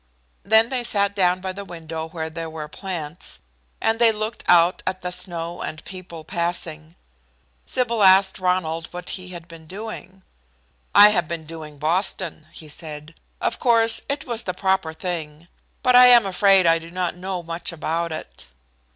Then they sat down by the window where there were plants, and they looked out at the snow and the people passing. Sybil asked Ronald what he had been doing. "I have been doing Boston," he said. "Of course it was the proper thing. But I am afraid I do not know much about it."